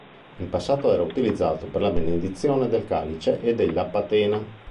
In passato era utilizzato per la benedizione del calice e della patena.